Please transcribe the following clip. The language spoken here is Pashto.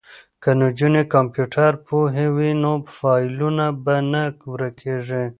که نجونې کمپیوټر پوهې وي نو فایلونه به نه ورکیږي.